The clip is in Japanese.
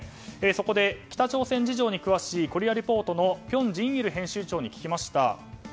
そこで、北朝鮮事情に詳しい「コリア・レポート」の辺真一編集長に聞きました。